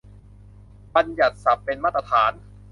บัญญัติศัพท์เป็นมาตรฐาน